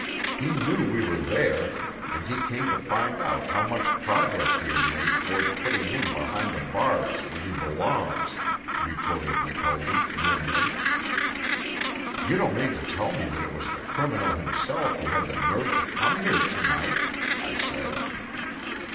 He knew we were there, and he came to find out how much progress we had made toward putting him behind the bars where he belongs," retorted McKelvie grimly. "You don't mean to tell me that it was the criminal himself who had the nerve to come there to night?" I said.